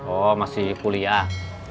oh masih kuliah